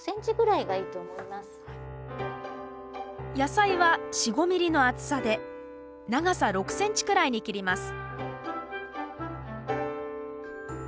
野菜は４５ｍｍの厚さで長さ６ｃｍくらいに切ります